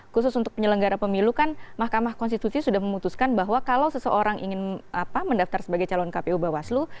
khusus untuk penyelenggara pemilu kan mahkamah konstitusi sudah memutuskan bahwa kalau seseorang ingin mendaftar sebagai calon kpu bawaslu